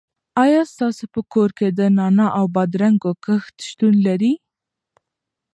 آیا ستاسو په کور کې د نعناع او بادرنګو کښت شتون لري؟